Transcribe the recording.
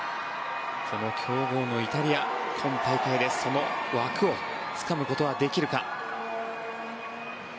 強豪のイタリア、今大会でその枠をつかむことはできるか。